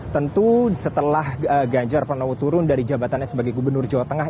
tentu setelah ganjar pranowo turun dari jabatannya sebagai gubernur jawa tengah